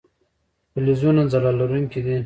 فلزونه ځلا لرونکي دي.